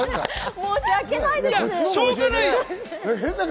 申しわけないです。